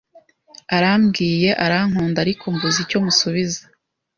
Arambwiye arankunda ariko mbuze icyo musubiza